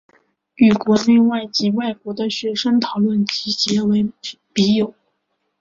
与国内及外国的学生讨论及结为笔友。